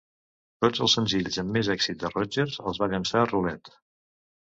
Tots els senzills amb més èxit de Rodgers els va llençar Roulette.